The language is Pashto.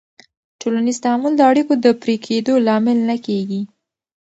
ټولنیز تعامل د اړیکو د پرې کېدو لامل نه کېږي.